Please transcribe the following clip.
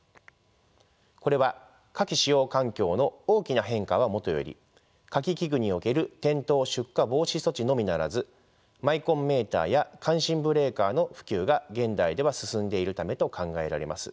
これは火気使用環境の大きな変化はもとより火気器具における転倒出火防止措置のみならずマイコンメーターや感震ブレーカーの普及が現代では進んでいるためと考えられます。